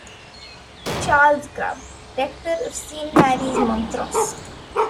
Charles Grub, rector of Saint Mary's, Montrose.